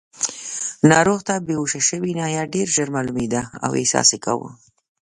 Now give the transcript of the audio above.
ناروغ ته بېهوښه شوې ناحیه ډېر ژر معلومېده او احساس یې کاوه.